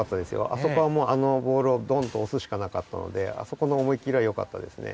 あそこはもうあのボールをどんとおすしかなかったのであそこの思いっきりはよかったですね。